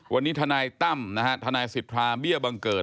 วันนี้ทนายตั้มนะฮะทนายสิทธาเบี้ยบังเกิด